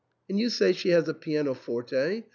" And you say she has a pianoforte ?